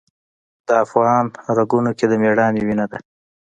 د افغان رګونو کې د میړانې وینه ده.